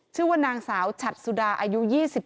ชื่อว่านางสาวฉัดสุดาอายุ๒๗